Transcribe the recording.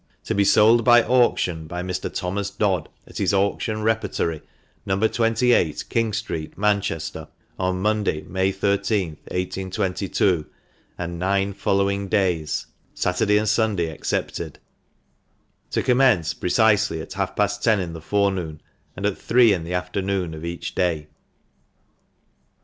"To be Sold by Auction, by Mr. Thomas Dcdd, at his auction repertory, No, 28, King street, Manchester, on Monday, May 1 3th, 1822, and nine following days, Saturday and Sunday except eel. To commence precisely at half past ten in the forenoon, and at three in the afternoon of each day.